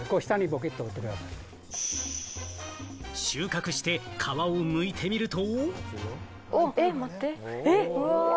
収穫して皮をむいてみると。